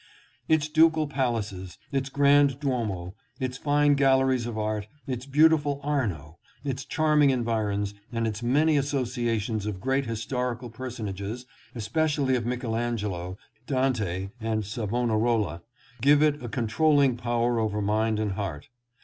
Its ducal palaces, its grand Duomo, its fine galleries of art, its beautiful Arno, its charming environs, and its many associations of great historical personages, espe 716 THE MOUNTAINS OF THE TYROL. cially of Michel Angelo, Dante and Savonarola, give it a controlling power over mind and heart.